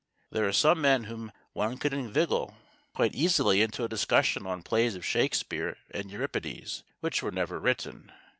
There are some men whom one could inveigle quite easily into a discussion on plays of Shakespeare and Euripides which were never written.